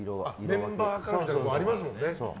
メンバーカラーみたいなのありますもんね。